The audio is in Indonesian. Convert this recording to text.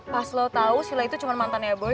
pas lo tau si la itu cuma mantan ya boy